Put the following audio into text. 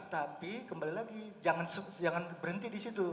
tapi kembali lagi jangan berhenti disitu